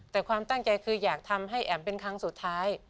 แต่ความตั้งใจคืออยากทำให้แอ๋มเป็นครั้งสุดท้าย